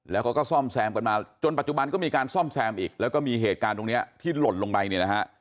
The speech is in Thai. แล้วเขาก็ซ่อมแซมกันมาจนปัจจุบันก็มีการซ่อมแซมอีกแล้วก็มีเหตุการณ์ตรงนี้ที่หล่นลงไปเนี่ยนะฮะ